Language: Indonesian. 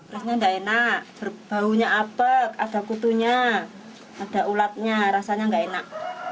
rasanya nggak enak baunya apek ada kutunya ada ulatnya rasanya nggak enak